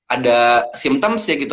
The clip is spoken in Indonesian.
ada symptoms ya gitu